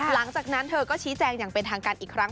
หลังจากนั้นเธอก็ชี้แจงอย่างเป็นทางการอีกครั้ง